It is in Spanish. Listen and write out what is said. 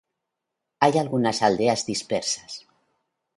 Hay algunas aldeas dispersas.